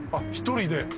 １人で。